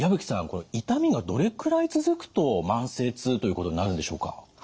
これ痛みがどれくらい続くと慢性痛ということになるんでしょうか？